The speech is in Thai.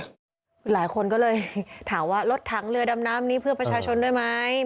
หลายคนก็เลยถามว่ารถถังเรือดำน้ำนี้เพื่อประชาชนด้วยไหม